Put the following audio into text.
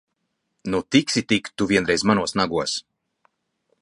Nu, tiksi tik tu vienreiz manos nagos!